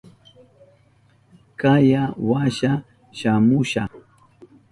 Kaya washa shamusha.